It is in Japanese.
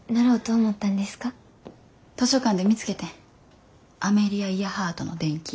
図書館で見つけてんアメリア・イヤハートの伝記。